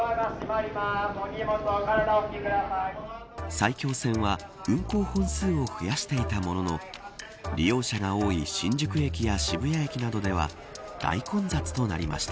埼京線は運行本数を増やしていたものの利用者が多い新宿駅や渋谷駅などでは大混雑となりました。